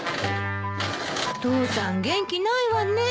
父さん元気ないわね。